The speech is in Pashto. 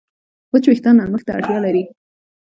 وچ وېښتيان نرمښت ته اړتیا لري.